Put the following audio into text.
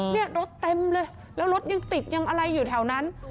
เนี่ยรถเต็มเลยแล้วรถยังติดยังอะไรอยู่แถวนั้น